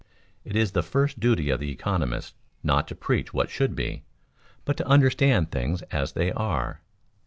It is the first duty of the economist not to preach what should be, but to understand things as they are.